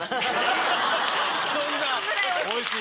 そんなおいしい。